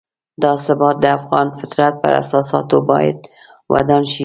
دا ثبات د افغان فطرت پر اساساتو باید ودان شي.